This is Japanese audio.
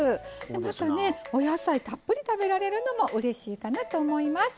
またねお野菜たっぷり食べられるのもうれしいかなと思います。